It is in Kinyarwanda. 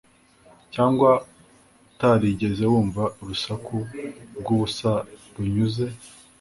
cyangwa, utarigeze wumva urusaku rwubusa runyuze